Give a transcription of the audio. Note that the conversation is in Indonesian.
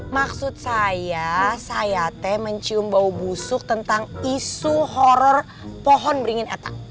maksud saya sayate mencium bau busuk tentang isu horror pohon beringin etak